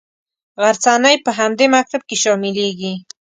غرڅنۍ په همدې مکتب کې شاملیږي.